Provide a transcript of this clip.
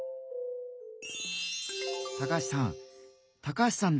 高橋さん。